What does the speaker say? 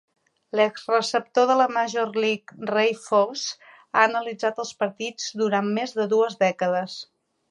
L'exreceptor de la Major League, Ray Fosse ha analitzat els partits durant més de dues dècades